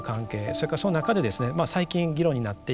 それからその中でですね最近議論になっています